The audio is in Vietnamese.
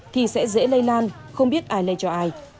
thì sẽ dễ lây lan không biết ai nấy cho ai